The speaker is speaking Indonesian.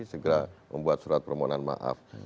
segera membuat surat permohonan maaf